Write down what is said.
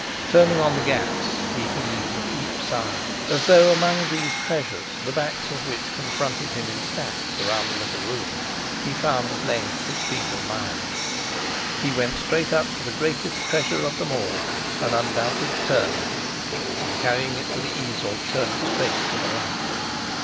Turning on the gas, he heaved a deep sigh, as though amongst these treasures, the backs of which confronted him in stacks, around the little room, he had found at length his peace of mind. He went straight up to the greatest treasure of them all, an undoubted Turner, and, carrying it to the easel, turned its face to the light.